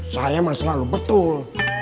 saya mah selalu betul